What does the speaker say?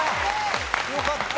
よかった！